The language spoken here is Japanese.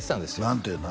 何ていうの？